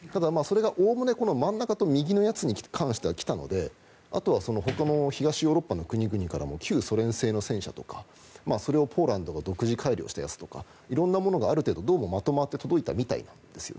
それがおおむね真ん中と右は来たのであとはほかの東ヨーロッパの国々からも旧ソ連製のやつとかそれをポーランドが独自改良したやつが色んなものがある程度まとまって届いたみたいなんです。